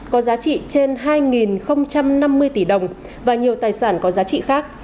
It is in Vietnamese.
có giá trị trên hai năm mươi tỷ đồng và nhiều tài sản có giá trị khác